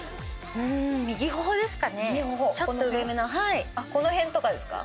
右頬ですかね。